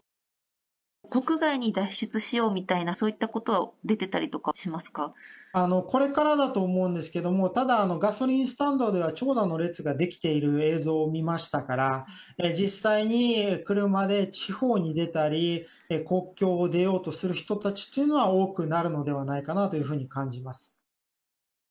国外に脱出しようみたいな、そういったことは、出てたりとかこれからだと思うんですけども、ただ、ガソリンスタンドでは長蛇の列が出来ている映像を見ましたから、実際に車で地方に出たり、国境を出ようとする人たちというのは多くなるのではないかなというふうに感じます。